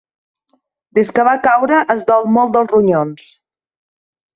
Des que va caure es dol molt dels ronyons.